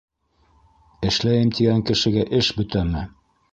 - Эшләйем тигән кешегә эш бөтәме...